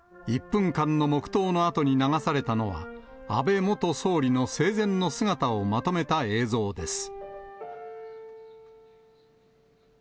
１分間の黙とうのあとに流されたのは、安倍元総理の生前の姿をまとめた映像です。